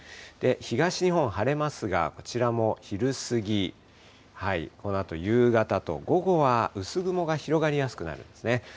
東日本、晴れますが、こちらも昼過ぎ、このあと夕方と、午後は薄雲が広がりやすくなるんですね。